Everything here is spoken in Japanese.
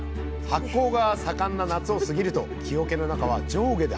発酵が盛んな夏を過ぎると木おけの中は上下で発酵のムラができます。